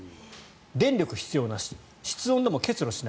電力必要なし室温でも結露なし。